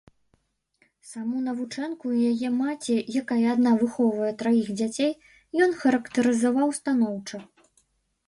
Саму навучэнку і яе маці, якая адна выхоўвае траіх дзяцей, ён характарызаваў станоўча.